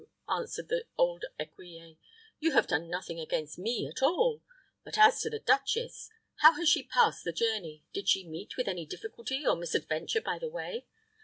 answered the old écuyer. "You have done nothing against me at all. But as to the duchess how has she passed the journey? Did she meet with any difficulty or misadventure by the way?"